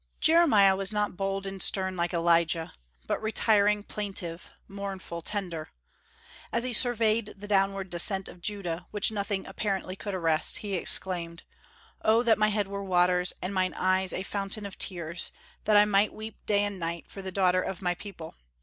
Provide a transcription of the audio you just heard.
Jeremiah was not bold and stern, like Elijah, but retiring, plaintive, mournful, tender. As he surveyed the downward descent of Judah, which nothing apparently could arrest, he exclaimed: "Oh that my head were waters, and mine eyes a fountain of tears, that I might weep day and night for the daughter of my people!"